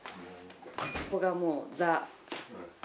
ここがもう。